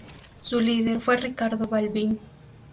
Su líder fue Ricardo Balbín.